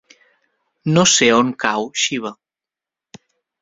No sé on cau Xiva.